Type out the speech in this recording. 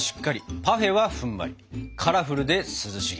カラフルで涼しげ！